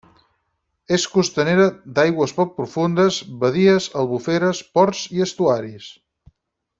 És costanera, d'aigües poc profundes, badies, albuferes, ports i estuaris.